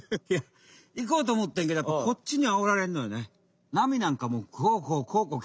いこうと思ってんけどこっちにあおられんのよね。